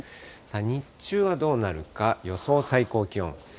日中はどうなるか、予想最高気温。